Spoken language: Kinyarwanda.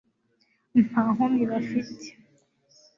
nta nkomyi bafite